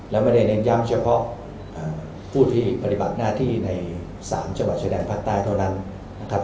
และไม่ได้เน้นย้ำเฉพาะผู้ที่ปฏิบัติหน้าที่ใน๓จังหวัดชายแดนภาคใต้เท่านั้นนะครับ